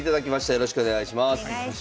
よろしくお願いします。